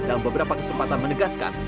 dan beberapa kesempatan menegaskan